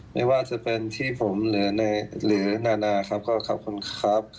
ไม่ว่าจะเป็นที่ผมหรือนานาครับก็ขอบคุณครับ